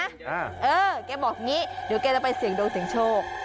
เออแกบอกอย่างนี้เดี๋ยวแกจะไปเสี่ยงโดงเสียงโชค